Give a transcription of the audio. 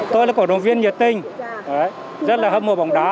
tôi là cổ động viên nhiệt tình rất là hâm mộ bóng đá